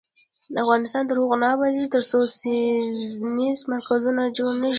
افغانستان تر هغو نه ابادیږي، ترڅو څیړنیز مرکزونه جوړ نشي.